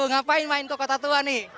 ngapain main ke kota tua nih